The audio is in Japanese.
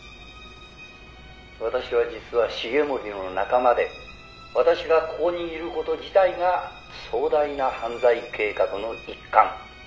「私は実は繁森の仲間で私がここにいる事自体が壮大な犯罪計画の一環」